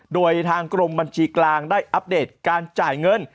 โดยทางกรมบัญชีกลางได้อัปเดตการจ่ายเงิน